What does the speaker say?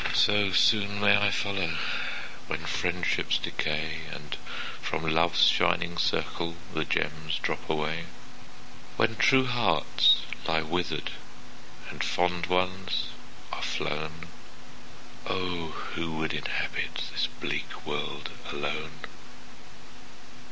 So soon may I follow, When friendships decay, And from Love's shining circle The gems drop away. When true hearts lie withered, And fond ones are flown, O who would inhabit This bleak world alone?